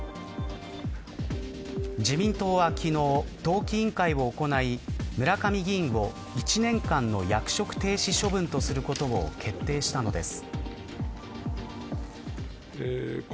自民党は昨日党紀委員会を行い村上議員を、１年間の役職停止処分とすることを決定したのです。